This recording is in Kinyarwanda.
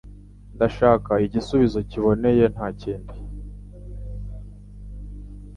Ndashaka igisubizo kiboneye. Nta kindi.